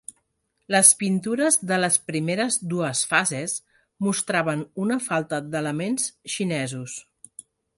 Les pintures de les primeres dues fases mostraven una falta d'elements xinesos.